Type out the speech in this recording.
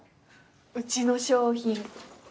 うちの商品。